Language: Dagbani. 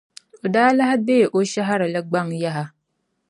O daa lahi deei o shɛhirili gbaŋ yaha